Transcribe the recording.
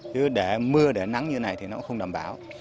chứ để mưa để nắng như này thì nó không đảm bảo